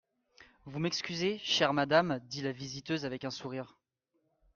Vous m'excusez, chère madame, dit la visiteuse avec un sourire.